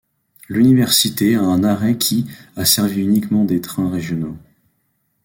L'Université a un arrêt qui a servi uniquement des trains régionaux.